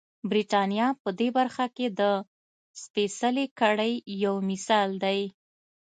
برېټانیا په دې برخه کې د سپېڅلې کړۍ یو مثال دی.